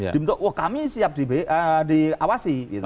dibentuk wah kami siap diawasi